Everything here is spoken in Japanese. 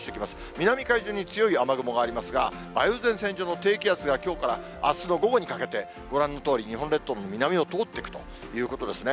南海上に強い雨雲がありますが、梅雨前線上の低気圧が、きょうからあすの午前にかけて、ご覧のとおり、日本列島の南を通っていくということですね。